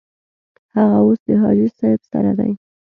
هغه اوس د حاجي صاحب سره دی.